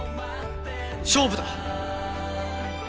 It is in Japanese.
勝負だ！